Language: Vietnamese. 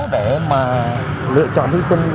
để mà lựa chọn thi sinh